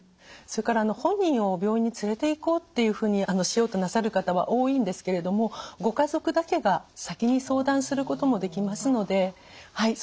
それから本人を病院に連れていこうっていうふうにしようとなさる方は多いんですけれどもご家族だけが先に相談することもできますのでは